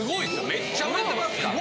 めっちゃ売れてますから。